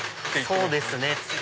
そうですね。